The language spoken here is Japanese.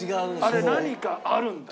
あれ何かあるんだよ。